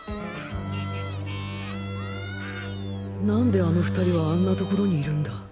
なんであの２人はあんなところにいるんだ？